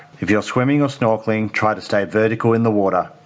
jika anda berlari atau menangis coba untuk tetap berada di atas air